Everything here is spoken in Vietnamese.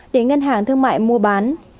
để ngân hàng thương mại mua bán